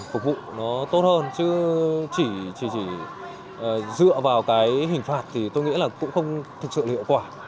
phục vụ nó tốt hơn chứ chỉ dựa vào cái hình phạt thì tôi nghĩ là cũng không thực sự hiệu quả